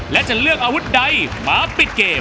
และจะเลือกอาวุธใดมาปิดเกม